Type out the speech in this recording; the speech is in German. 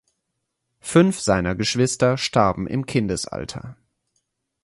Fünf seiner Geschwister starben im Kindesalter.